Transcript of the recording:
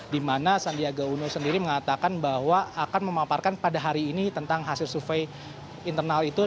di mana sandiaga uno sendiri mengatakan bahwa akan memaparkan pada hari ini tentang hasil survei internal itu